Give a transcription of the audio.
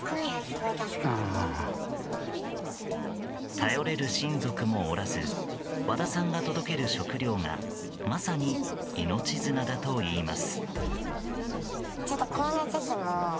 頼れる親族もおらず和田さんが届ける食料がまさに命綱だといいます。